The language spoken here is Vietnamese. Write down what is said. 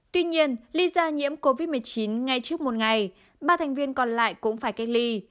tuy nhiên lý do nhiễm covid một mươi chín ngay trước một ngày ba thành viên còn lại cũng phải cách ly